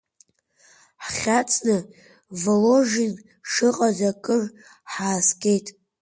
Ҳхьаҵны Воложин шыҟаз акыр ҳааскьеит.